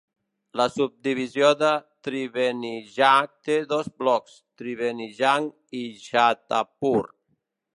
La subdivisió de Triveniganj té dos blocs, Triveniganj i Chhatapur.